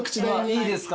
いいんですか？